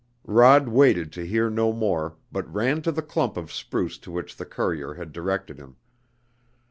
Rod waited to hear no more, but ran to the clump of spruce to which the courier had directed him.